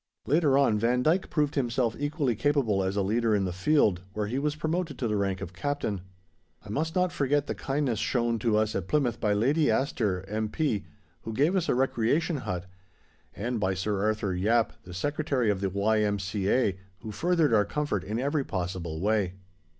Later on Vandyk proved himself equally capable as a leader in the field, where he was promoted to the rank of Captain. I must not forget the kindness shown to us at Plymouth by Lady Astor, M.P., who gave us a Recreation Hut, and by Sir Arthur Yapp, the Secretary of the Y.M.C.A., who furthered our comfort in every possible way.